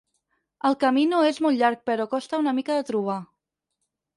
El camí no és molt llarg però costa una mica de trobar.